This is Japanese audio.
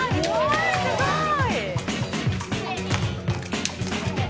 すごい！